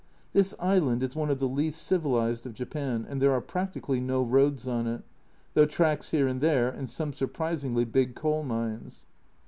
This island is one of the least civilised of Japan, and there are practically no roads on it, though tracks here and there, and some surprisingly big coal mines.